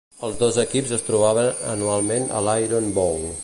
Els dos equips es trobaven anualment a l'Iron Bowl.